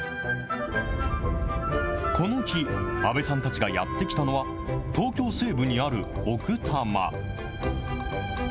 この日、阿部さんたちがやって来たのは、東京西部にある奥多摩。